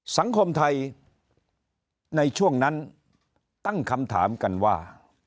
สังคมไทยในช่วงนั้นตั้งคำถามกันว่า